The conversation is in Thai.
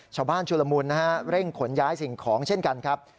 ชุลมุนนะฮะเร่งขนย้ายสิ่งของเช่นกันครับ